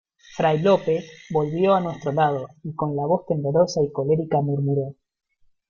fray Lope volvió a nuestro lado, y con la voz temblorosa y colérica murmuró: